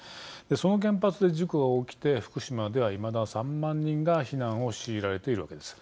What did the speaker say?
その原発で事故が起きて福島では、いまだ３万人が避難を強いられているわけです。